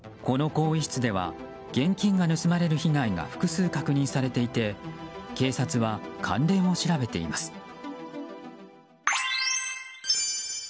この更衣室では現金が盗まれる被害が複数確認されていて警察は関連を調べています。